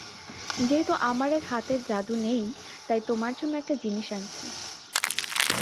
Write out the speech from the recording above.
যেহেতু আমার আর হাতের যাদু নেই, তাই তোমার জন্য একটা জিনিস আসছি।